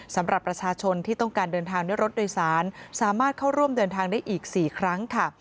สำหรับประชาชนที่ต้องการเดินทางด้วยรถโดยสารสามารถเข้าร่วมเดินทางได้อีก๔ครั้งค่ะ